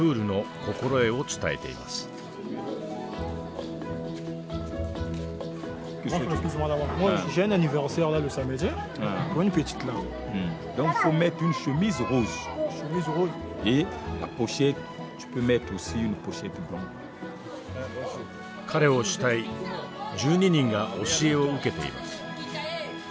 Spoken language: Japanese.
彼を慕い１２人が教えを受けています。